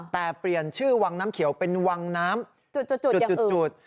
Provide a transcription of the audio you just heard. แต่เปลี่ยนชื่อวังน้ำเขียวเป็นวังน้ำจุด